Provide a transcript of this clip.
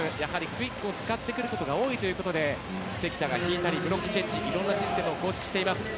クイックを使ってくることが多いということで関田が引いたりブロックチェンジいろんなシステムを構築しています。